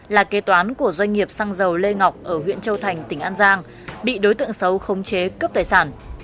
là kế toán của doanh nghiệp xăng dầu lê ngọc ở huyện châu thành tỉnh an giang bị đối tượng xấu khống chế cướp tài sản